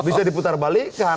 bisa diputar balikan